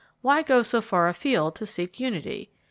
Why go so far afield to seek unity?